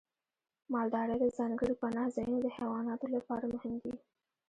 مالدارۍ ته ځانګړي پناه ځایونه د حیواناتو لپاره مهم دي.